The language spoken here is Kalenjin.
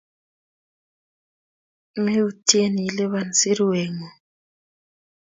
Meutye iliban sirwengung.